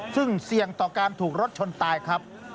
ซึ่งเสี่ยงต่อการถูกรถชนตายครับ